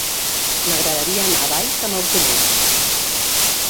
M'agradaria anar a Valls amb autobús.